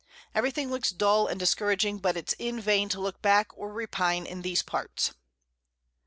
Every thing looks dull and discouraging, but it's in vain to look back or repine in these Parts.